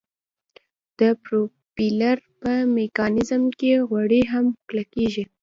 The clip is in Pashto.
د پروپیلر په میکانیزم کې غوړي هم کلکیږي